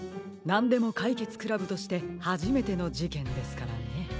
なんでもかいけつ倶楽部としてはじめてのじけんですからね。